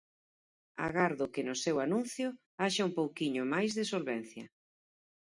Agardo que no seu anuncio haxa un pouquiño máis de solvencia.